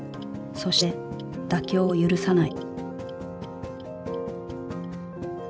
そして妥協を許さない。